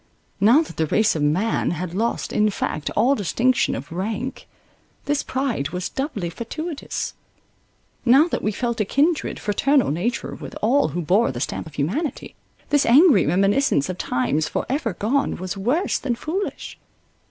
Now that the race of man had lost in fact all distinction of rank, this pride was doubly fatuitous; now that we felt a kindred, fraternal nature with all who bore the stamp of humanity, this angry reminiscence of times for ever gone, was worse than foolish.